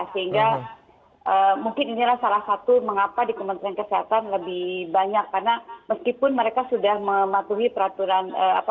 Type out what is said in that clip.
sehingga mungkin inilah salah satu mengapa di kementerian kesehatan lebih banyak karena meskipun mereka sudah mematuhi peraturan